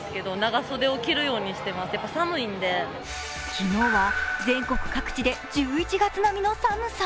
昨日は全国各地で１１月並みの寒さ。